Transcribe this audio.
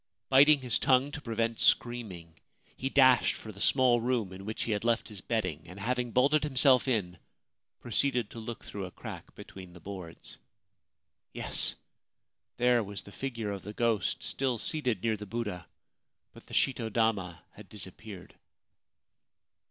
Biting his tongue to prevent screaming, he dashed for the small room in which he had left his bedding, and, having bolted himself in, proceeded to look through a crack between the boards. Yes ! there was the figure of the ghost, still seated near the Buddha ; but the shito dama had disappeared.